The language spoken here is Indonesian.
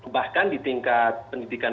bahkan di tingkat pendidikan